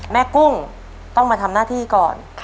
กุ้งต้องมาทำหน้าที่ก่อน